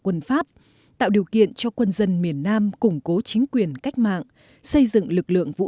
quân pháp tạo điều kiện cho quân dân miền nam củng cố chính quyền cách mạng xây dựng lực lượng vũ